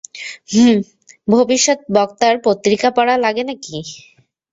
হুম ভবিষ্যৎ বক্তার পত্রিকা পড়া লাগে নাকি?